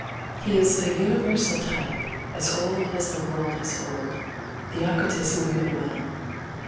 He is a universal type, as old as the world is old, Theocritus knew him well.